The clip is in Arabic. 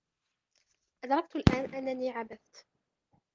أدركت الآن أنني عبثت.